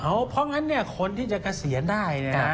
เพราะงั้นคนที่จะเกษียณได้